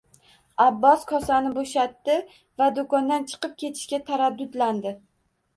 Abbos kosani bo`shatdi va do`kondan chiqib ketishga taraddudlandi